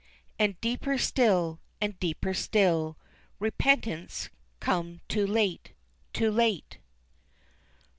And deeper still, and deeper still Repentance come too late, too late!"